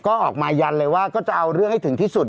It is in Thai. ก็ออกมายันเลยว่าก็จะเอาเรื่องให้ถึงที่สุด